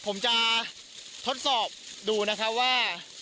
ผมจะทดสอบดูนะครับว่า